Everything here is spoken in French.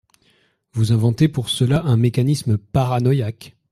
Vous inventez pour cela un mécanisme paranoïaque.